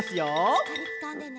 しっかりつかんでね。